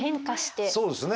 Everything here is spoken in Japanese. そうですね。